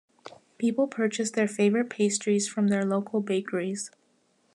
People purchase their favorite pastries from their local bakeries.